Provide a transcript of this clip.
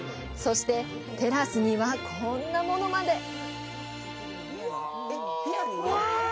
そして、テラスにはこんなモノまで。